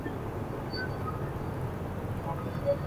আম্মি কে বলেন না, রেহান কে না শিখাতে।